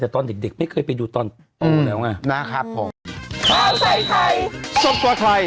ใช่เออจริงจริง